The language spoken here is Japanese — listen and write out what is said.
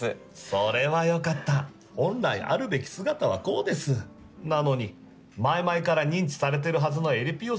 それはよかった本来あるべき姿はこうですなのに前々から認知されてるはずのえりぴよ